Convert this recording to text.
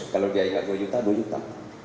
kalau dia ingat dua juta dua juta